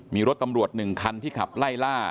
มีรถตำรวจ๑คันที่ขับไล่ล่า